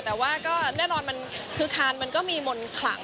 แต่ว่าก็แน่นอนมันคือคานมันก็มีมนต์ขลัง